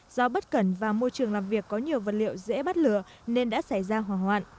do bất cẩn và môi trường làm việc có nhiều vật liệu dễ bắt lửa nên đã xảy ra hỏa hoạn